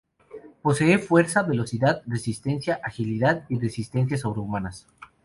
Posee fuerza, velocidad, resistencia, agilidad y resistencia sobrehumanas.